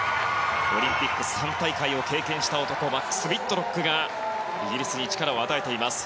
オリンピック３大会を経験した男マックス・ウィットロックがイギリスに力を与えています。